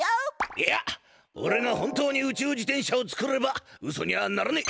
いやおれが本当に宇宙自転車を作ればうそにはならねえ！